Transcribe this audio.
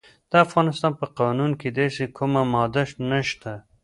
د افغانستان په قانون کې داسې کومه ماده نشته.